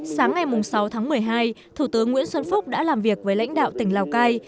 sáng ngày sáu tháng một mươi hai thủ tướng nguyễn xuân phúc đã làm việc với lãnh đạo tỉnh lào cai